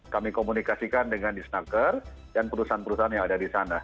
kami komunikasikan dengan di snaker dan perusahaan perusahaan yang ada di sana